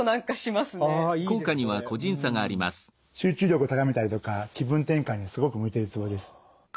集中力を高めたりとか気分転換にすごく向いてるツボです。